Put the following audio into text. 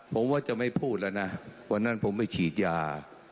ผมว่าจะไม่พูดแล้วนะวันนั้นผมไปฉีดยา